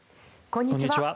こんにちは。